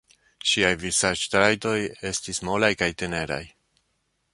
Ŝiaj vizaĝtrajtoj estis molaj kaj teneraj.